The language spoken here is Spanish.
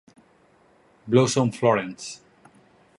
Blossom florece.